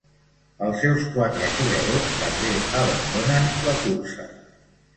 Els seus quatre corredors també abandonen la cursa.